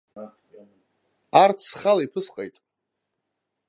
Арҭ схала иԥысҟеит.